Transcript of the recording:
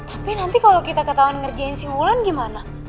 tapi nanti kalo kita ketahuan ngerjain si mulan gimana